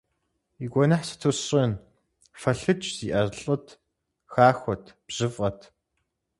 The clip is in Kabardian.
И гуэныхь сыту сщӏын, фӏэлӏыкӏ зиӏэ лӏыт, хахуэт, бжьыфӏэт.